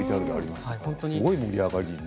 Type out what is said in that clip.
すごい盛り上がりね。